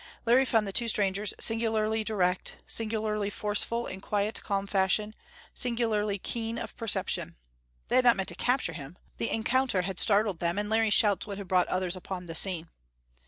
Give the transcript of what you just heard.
Larry found the two strangers singularly direct; singularly forceful in quiet, calm fashion; singularly keen of perception. They had not meant to capture him. The encounter had startled them, and Larry's shouts would have brought others upon the scene.